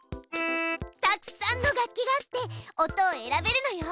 たくさんの楽器があって音を選べるのよ。